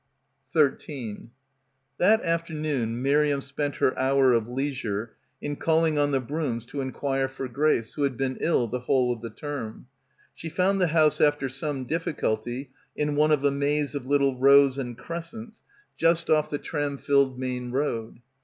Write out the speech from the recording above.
13 That afternoon Miriam spent her hour of leis ure in calling on the Brooms to enquire for Grace, who had been ill the whole of the term. She found the house after some difficulty in one of a maze of little rows and crescents just off the tram filled main road.